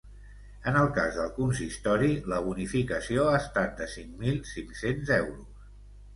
En el cas del consistori, la bonificació ha estat de cinc mil cinc-cents euros.